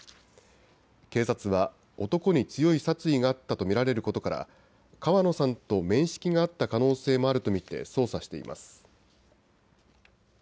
警察は男に強い殺意があったと見られることから川野さんと面識があった可能性もあると見て捜査しています。